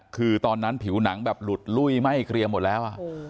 คือตอนนั้นผิวหนังแบบหลุดลุ้ยไหม้เกรียมหมดแล้ว